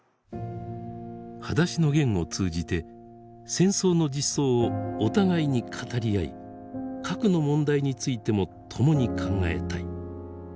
「はだしのゲン」を通じて戦争の実相をお互いに語り合い核の問題についても共に考えたい。